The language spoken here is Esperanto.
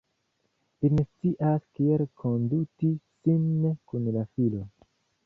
Li ne scias kiel konduti sin kun la filo.